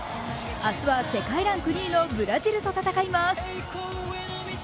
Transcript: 明日は世界ランク２位のブラジルと戦います。